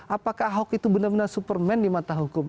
apakah ahok itu benar benar superman di mata hukum